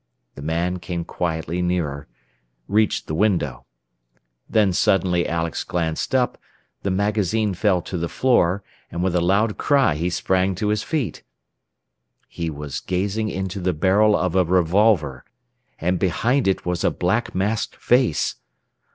The man came quietly nearer reached the window. Then suddenly Alex glanced up, the magazine fell to the floor, and with a loud cry he sprang to his feet. He was gazing into the barrel of a revolver, and behind it was a black masked face!